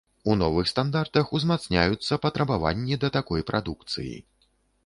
У новых стандартах узмацняюцца патрабаванні да такой прадукцыі.